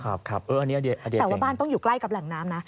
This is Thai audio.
แต่ว่าบ้านต้องอยู่ใกล้กับแหล่งน้ำนะ